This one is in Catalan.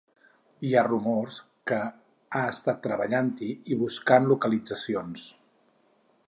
Hi ha rumors que ha estat treballant-hi i buscant localitzacions.